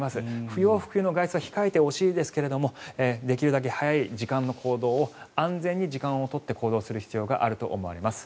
不要不急の外出は控えてほしいですができるだけ早い時間の行動を安全に時間を取って行動する必要があると思われます。